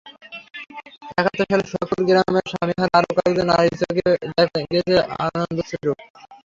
একাত্তর সালে সোহাগপুর গ্রামের স্বামীহারা আরও কয়েকজন নারীর চোখে দেখা গেছে আনন্দাশ্রু।